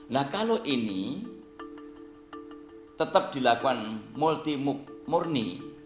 nah kalau ini tetap dilakukan multi murni